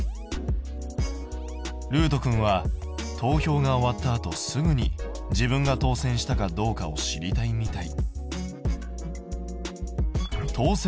るうとくんは投票が終わったあとすぐに自分が当選したかどうかを知りたいみたい。